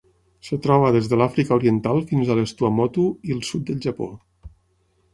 Es troba des de l'Àfrica Oriental fins a les Tuamotu i el sud del Japó.